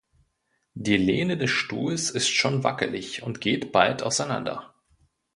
Die Lehne des Stuhls ist schon wackelig und geht bald auseinander.